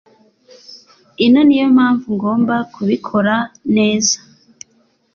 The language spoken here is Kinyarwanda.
ino niyo mpamvu ngomba kubikora neza